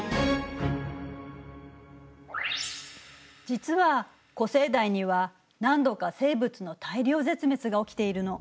実は古生代には何度か生物の大量絶滅が起きているの。